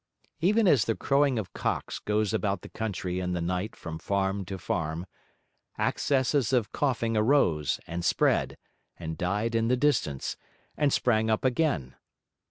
Even as the crowing of cocks goes about the country in the night from farm to farm, accesses of coughing arose, and spread, and died in the distance, and sprang up again.